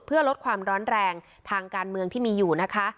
เพื่อลดความร้อนแรงทางการเมืองที่มีอยู่นะคะ